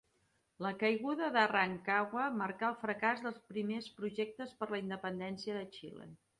La caiguda de Rancagua marca el fracàs dels primers projectes per la Independència de Xile.